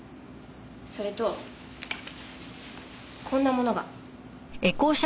それとこんなものが。